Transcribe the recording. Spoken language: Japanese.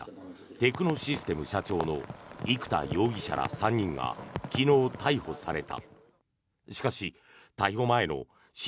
テクノシステム社長の生田容疑者ら３人が昨日、逮捕された。